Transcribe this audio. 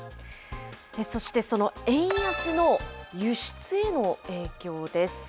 そしてその円安の輸出への影響です。